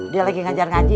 dia lagi ngajar ngaji